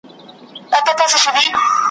چي د بل لپاره ورور وژني په تور کي `